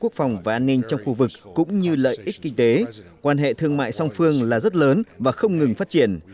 quốc phòng và an ninh trong khu vực cũng như lợi ích kinh tế quan hệ thương mại song phương là rất lớn và không ngừng phát triển